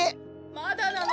・まだなの？